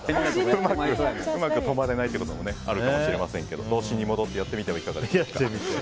うまく止まれないということもあるかもしれませんけども童心に戻ってやってみてはいかがでしょうか。